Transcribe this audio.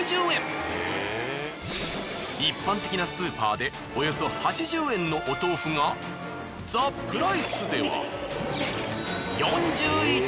一般的なスーパーでおよそ８０円のお豆腐がザ・プライスでは。